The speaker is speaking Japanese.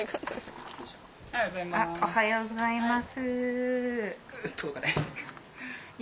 おはようございます。